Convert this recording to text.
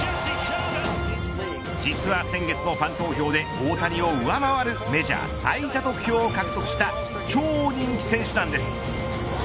実は先月のファン投票で大谷を上回るメジャー最多得票を獲得した超人気選手なんです。